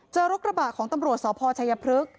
เจอกระบากของตำรวจที่สพชายพลึก